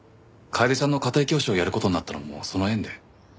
楓ちゃんの家庭教師をやる事になったのもその縁で。